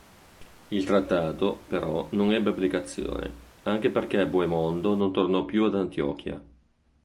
Il trattato, però, non ebbe applicazione, anche perché Boemondo non tornò più ad Antiochia.